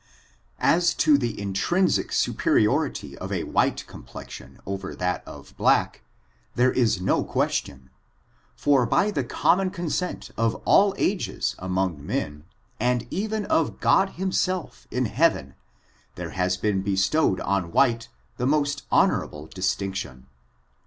J As to the intrinsic superiority of a white complex ion over that of black, there is no question ; for, by the common consent of all ages among men, and even of Grod himself in heaven, there has been bestowed on white the most honorable distinction.